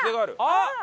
あっ！